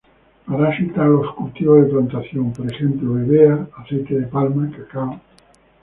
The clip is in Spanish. Parasita los cultivos de plantación, por ejemplo, "Hevea", aceite de palma, cacao.